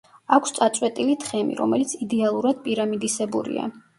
აქვს წაწვეტილი თხემი, რომელიც იდეალურად პირამიდისებურია.